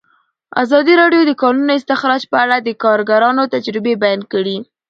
ازادي راډیو د د کانونو استخراج په اړه د کارګرانو تجربې بیان کړي.